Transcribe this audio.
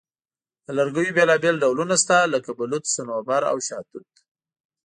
د لرګیو بیلابیل ډولونه شته، لکه بلوط، صنوبر، او شاهتوت.